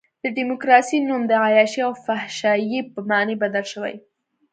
د ډیموکراسۍ نوم د عیاشۍ او فحاشۍ په معنی بدل شوی.